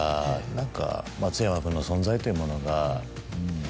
何か松山君の存在というものが。